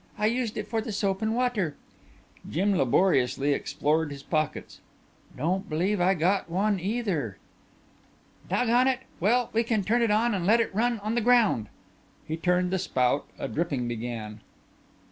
I used it for the soap and water." Jim laboriously explored his pockets. "Don't believe I got one either." "Doggone it! Well, we can turn it on and let it run on the ground." He turned the spout; a dripping began.